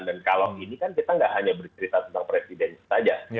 dan kalau ini kan kita nggak hanya bercerita tentang presiden saja